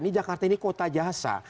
ini jakarta ini kota jasa